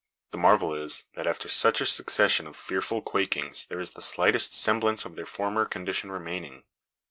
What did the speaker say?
The marvel is, that after such a succession of fearful quakings there is the slightest semblance of their former condition remaining.